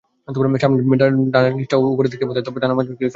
সামনের ডানার নিচটাও দেখতে ওপরের মতোই, তবে ডানার মাঝামাঝি কিছু ফোঁটা থাকে।